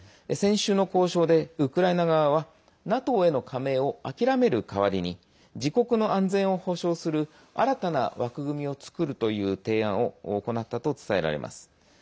先週の交渉で、ウクライナ側はＮＡＴＯへの加盟を諦める代わりに自国の安全を保障する新たな枠組みを作るという提案を行ったと伝えられます。